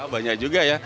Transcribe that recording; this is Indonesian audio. banyak juga ya